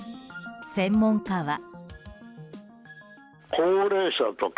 専門家は。